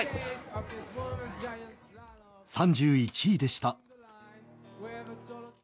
３１位でした。